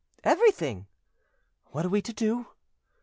"Everything." "What are we to do?"